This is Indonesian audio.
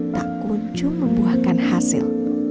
tak muncul membuahkan hasil